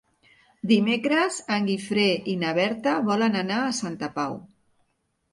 Dimecres en Guifré i na Berta volen anar a Santa Pau.